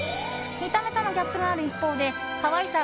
見た目とのギャップがある一方で可愛さ